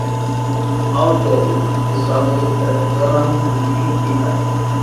Our goal is rather that the turnout and the lead be high.